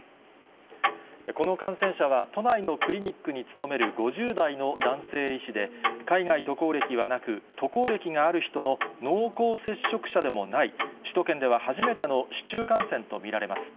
この感染者は、都内のクリニックに勤める５０代の男性医師で、海外渡航歴はなく、渡航歴がある人の濃厚接触者でもない、首都圏では初めての市中感染と見られます。